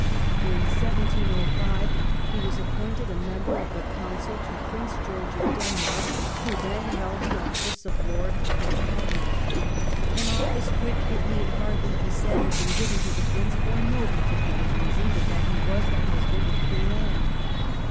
In 1705 he was appointed a member of the Council to Prince George of Denmark, who then held the office of Lord High Admiral ; an office which, it need hardly be said, had been given to the Prince for no particular reason but that he was the husband of Queen Anne.